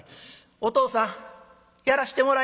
「お父さんやらしてもらいます」。